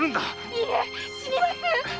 いいえ死にます！